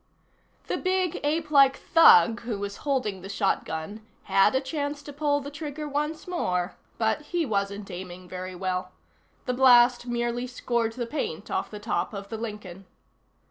The big, apelike thug who was holding the shotgun had a chance to pull the trigger once more, but he wasn't aiming very well. The blast merely scored the paint off the top of the Lincoln.